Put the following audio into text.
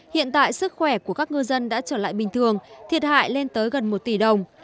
hiện tại sức khỏe của các ngư dân đã trở lại bình thường thiệt hại lên tới gần một tỷ đồng